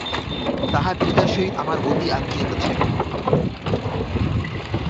তাহার পিতার সহিত আমার অতি আত্মীয়তা ছিল।